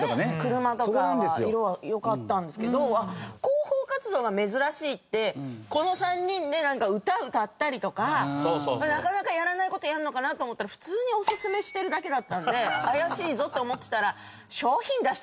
広報活動が珍しいってこの３人でなんか歌歌ったりとかなかなかやらない事やるのかなと思ったら普通にオススメしてるだけだったので怪しいぞって思ってたら。